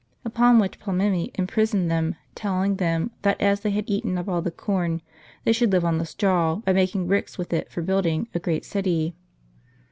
Upon which Ptolemy imprisoned them, telling them, that as they had eaten up all tlie corn, they should live on the straw, by mak ing bricks with it for building a great city.